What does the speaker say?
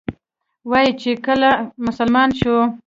وایي چې کله مسلمان شو.